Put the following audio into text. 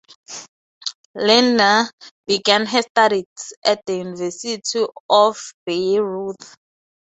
Lindner began her studies at the University of Bayreuth.